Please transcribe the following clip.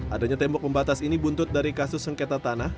adanya tembok pembatas ini buntut dari kasus sengketa tanah